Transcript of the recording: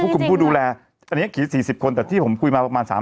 กลุ่มผู้ดูแลอันนี้กี่๔๐คนแต่ที่ผมคุยมาประมาณ๓๐๐